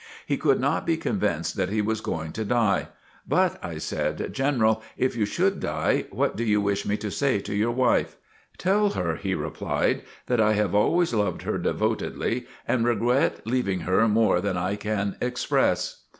He could not be convinced that he was going to die. "But," I said, "General, if you should die, what do you wish me to say to your wife?" "Tell her," he replied, "that I have always loved her devotedly and regret leaving her more than I can express."